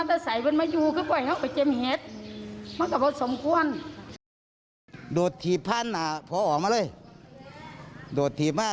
เทียสแล้วเรียน